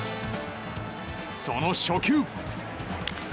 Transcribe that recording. その初球。